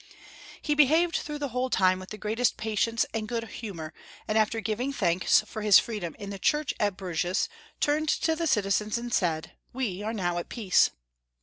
He behaved through the whole time with the greatest patience and good humor, and after giving thanks for his freedom in the Church at Bruges, turned to the citizens and said, "We are now at peace."